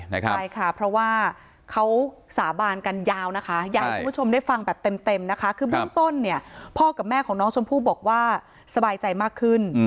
ใช่ค่ะเพราะว่าเขาสาบานกันยาวนะคะอยากให้คุณผู้ชมได้ฟังแบบเต็มนะคะคือเบื้องต้นเนี่ยพ่อกับแม่ของน้องชมพู่บอกว่าสบายใจมากขึ้น